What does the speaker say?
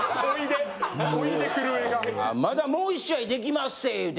まだもう１試合できまっせ言うて。